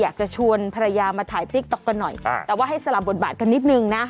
อยากจะชวนภรรยามาถ่ายติ๊กต๊อกกันหน่อยแต่ว่าให้สลับบทบาทกันนิดนึงนะ